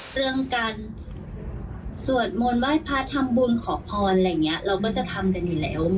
เรื่องการสวดโมนไหว้พระทำบุญขอพรอย่างเงี้ยเราก็จะทำกันอย่างนี้แล้ว